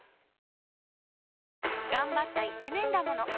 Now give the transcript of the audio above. がんばった一年だもの。